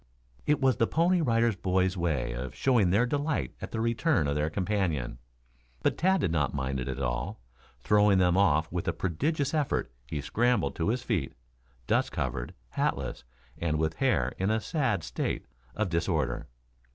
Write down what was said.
It was the Pony Rider Boys' way of showing their delight at the return of their companion. But Tad did not mind it at all. Throwing them off with a prodigious effort he scrambled to his feet, dust covered, hatless and with hair in a sad state of disorder.